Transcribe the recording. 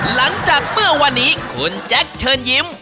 หลังจากเมื่อวันนี้คุณแจ็คเชิญยิ้ม